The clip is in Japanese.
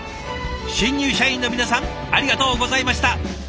新入社員の皆さんありがとうございました。